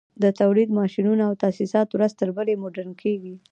د تولید ماشینونه او تاسیسات ورځ تر بلې مډرن کېږي